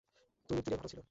তুমীর তীরে ভরা ছিল।